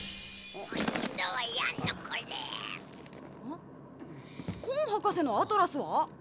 あっコン博士のアトラスは？